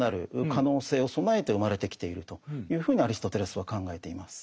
そうですね。というふうにアリストテレスは考えています。